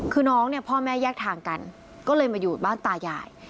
คือน้องเนี่ยพ่อแม่แยกทางกันก็เลยมาอยู่บ้านตายาย